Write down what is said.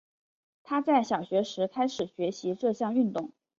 她在小学时开始学习这项运动。